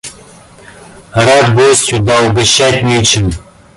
– Рад гостю, да угощать нечем.